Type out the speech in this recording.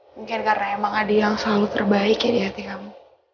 mungkin karena emang ada yang selalu terbaik ya di hati kamu